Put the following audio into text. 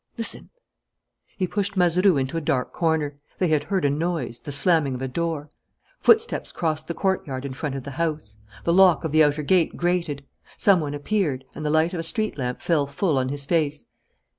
Listen " He pushed Mazeroux into a dark corner. They had heard a noise, the slamming of a door. Footsteps crossed the courtyard in front of the house. The lock of the outer gate grated. Some one appeared, and the light of a street lamp fell full on his face.